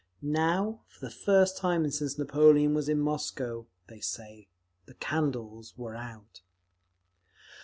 Now, for the first time since Napoleon was in Moscow, they say, the candles were out.